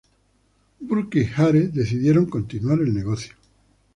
Burke y Hare decidieron continuar el negocio.